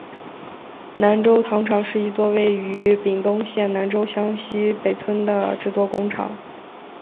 南州糖厂是一座位于屏东县南州乡溪北村的制糖工厂。